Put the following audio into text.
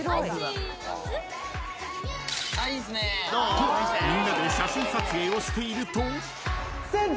［とみんなで写真撮影をしていると］